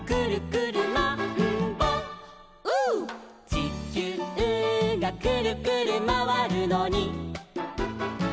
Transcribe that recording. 「ちきゅうがくるくるまわるのに」